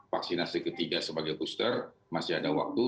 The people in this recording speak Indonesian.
vaksinasi ketiga sebagai booster masih ada waktu